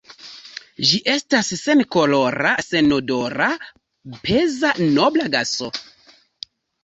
Ĝi estas senkolora, senodora, peza nobla gaso.